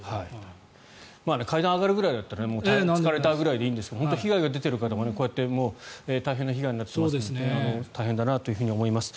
階段上がるぐらいだったら疲れたぐらいでいいんですが被害が出ている方が大変な被害になってますので大変だなと思います。